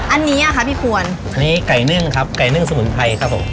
อันนี้อ่ะคะพี่ควรอันนี้ไก่นึ่งครับไก่นึ่งสมุนไพรครับผม